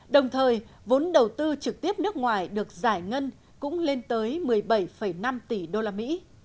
đồng thời vốn đầu tư trực tiếp nước ngoài được giải ngân cũng lên tới một mươi bảy năm tỷ usd